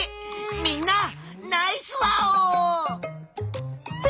みんなナイスワオ！